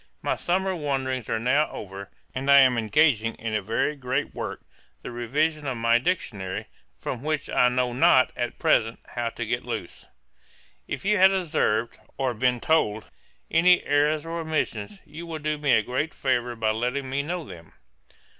My summer wanderings are now over, and I am engaging in a very great work, the revision of my Dictionary; from which I know not, at present, how to get loose. 'If you have observed, or been told, any errours or omissions, you will do me a great favour by letting me know them.